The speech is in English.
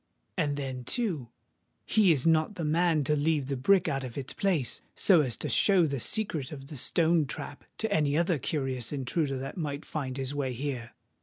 And then, too, he is not the man to leave the brick out of its place, so as to show the secret of the stone trap to any other curious intruder that might find his way here.